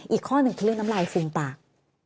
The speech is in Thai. อีกข้อหนึ่งคือเรื่องน้ำลายฟูมปาก